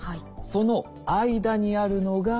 その間にあるのが半導体。